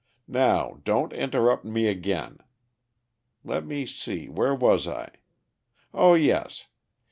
Now don't interrupt me again. Let me see, where was I? O yes!